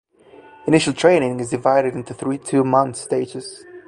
Initial training is divided into three two-month stages.